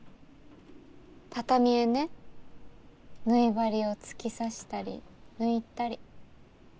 畳へね縫い針を突き刺したり抜いたり。